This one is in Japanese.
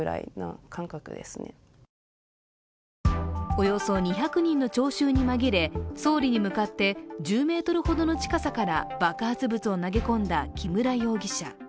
およそ２００人の聴衆に紛れ、総理に向かって１０ｍほどの近さから爆発物を投げ込んだ木村容疑者。